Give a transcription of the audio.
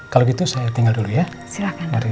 kalau gitu saya tinggal dulu ya silakan